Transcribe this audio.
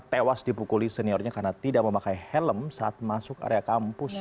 tewas dipukuli seniornya karena tidak memakai helm saat masuk area kampus